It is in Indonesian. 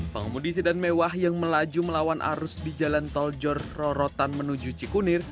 pengemudi sedan mewah yang melaju melawan arus di jalan tol jor rorotan menuju cikunir